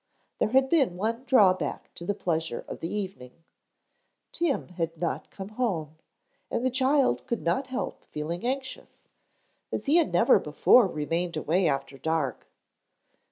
There had been one drawback to the pleasure of the evening. Tim had not come home and the child could not help feeling anxious, as he had never before remained away after dark.